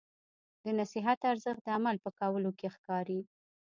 د نصیحت ارزښت د عمل په کولو کې ښکاري.